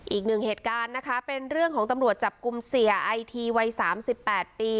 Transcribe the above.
อีกหนึ่งเหตุการณ์นะคะเป็นเรื่องของตำรวจจับกลุ่มเสียไอทีวัย๓๘ปี